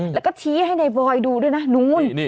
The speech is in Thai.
แล้วก็ชี้ให้ในบอยดูด้วยนะนู้น